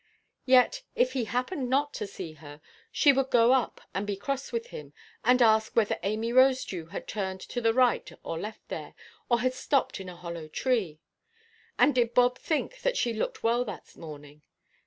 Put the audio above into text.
Yet, if he happened not to see, she would go up and be cross with him, and ask whether Amy Rosedew had turned to the right or left there, or had stopped in a hollow tree. And did Bob think she looked well that morning?